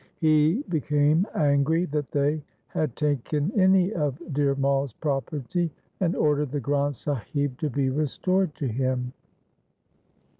He became angry that they had taken any of Dhir Mai's property and ordered the Granth Sahib to be restored to him.